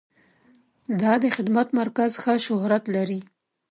دا د خدمت مرکز ښه شهرت لري.